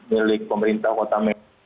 milik pemerintah kota